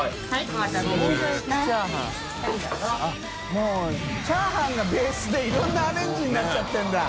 もうチャーハンがベースでい蹐鵑アレンジになっちゃってるんだ。